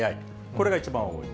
これが一番多い。